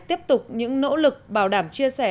tiếp tục những nỗ lực bảo đảm chia sẻ